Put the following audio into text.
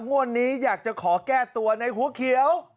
งวดนี้อยากจะขอแก้ตัวในหัวเขียว